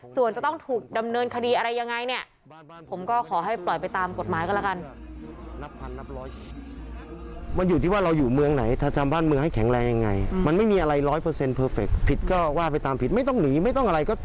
ส่วนจะต้องถูกดำเนินคดีอะไรยังไงเนี่ย